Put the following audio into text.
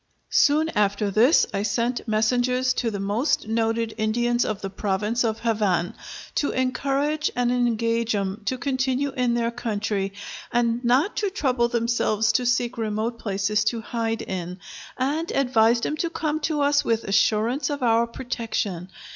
Soon after this I sent messengers to the most noted Indians of the Province of Havane, to encourage and engage 'em to continue in their country, and not to trouble themselves to seek remote places to hide in; and advised 'em to come to us with assurance of our protection.